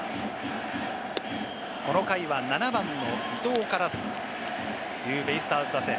この回は７番の伊藤からというベイスターズ打線。